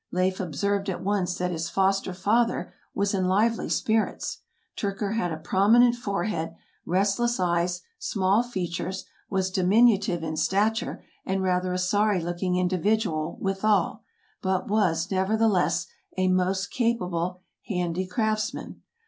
Leif observed at once that his foster father was in lively spirits. Tyrker had a prominent forehead, restless eyes, small features, was diminutive in stature, and rather a sorry looking individual withal, but was, nevertheless, a most capable handicrafts man.